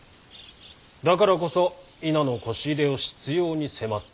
だからこそ稲のこし入れを執ように迫った。